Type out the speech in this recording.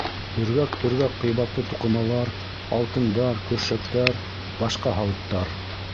Төргәк-төргәк ҡыйбатлы туҡымалар, алтындар, көршәктәр, башҡа һауыттар...